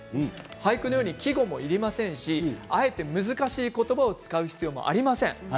俳句のように季語もいりませんしあえて難しい言葉を使う必要もありません。